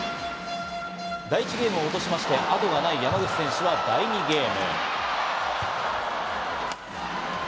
第１ゲームを落として、後がない山口選手は第２ゲーム。